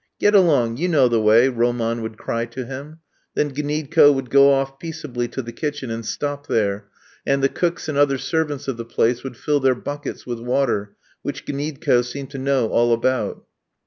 "Get along, you know the way," Roman would cry to him. Then Gniedko would go off peaceably to the kitchen and stop there, and the cooks and other servants of the place would fill their buckets with water, which Gniedko seemed to know all about.